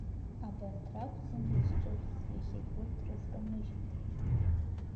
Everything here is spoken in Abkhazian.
Абарҭ ракәӡан изҿыз, иахьагьы урҭқәа рызкамыжьит.